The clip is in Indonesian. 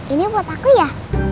ini buat aku ya